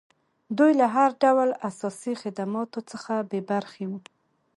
دوی له هر ډول اساسي خدماتو څخه بې برخې وو.